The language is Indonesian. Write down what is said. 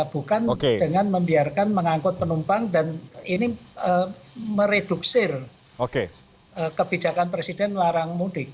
bukan dengan membiarkan mengangkut penumpang dan ini mereduksir kebijakan presiden larang mudik